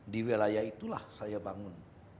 di wilayah itulah saya bangun